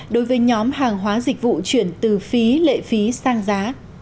đối với nhóm hàng hóa dịch vụ chuyển từ phí lệ phí sang giá